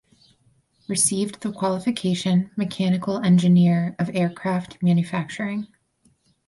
Received the qualification "Mechanical Engineer of Aircraft Manufacturing".